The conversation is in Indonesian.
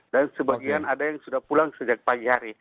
dan sebagian ada yang sudah pulang sejak pagi hari